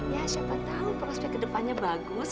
ya siapa tahu prospek kedepannya bagus